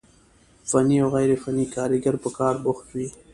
فني او غير فني کاريګر په کار بوخت وي،